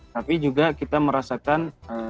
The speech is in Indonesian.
tapi juga kita merasakan